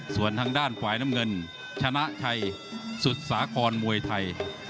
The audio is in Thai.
ส่วนทางด้านฝ่ายน้ำเงินชนะชัยสุดสาครมวยไทย